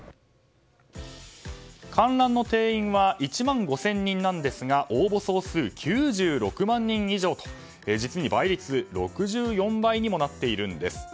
観覧の定員は１万５０００人なんですが応募総数９６万人以上と実に倍率６４倍にもなっているんです。